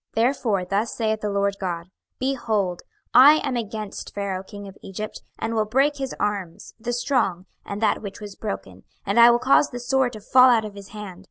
26:030:022 Therefore thus saith the Lord GOD; Behold, I am against Pharaoh king of Egypt, and will break his arms, the strong, and that which was broken; and I will cause the sword to fall out of his hand.